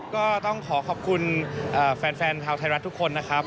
ก็ต้องขอขอบคุณแฟนชาวไทยรัฐทุกคนนะครับ